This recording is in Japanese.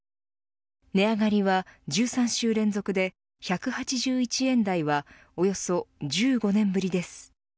値上がりは１３週連続で１８１円台はおよそ１５年ぶりです。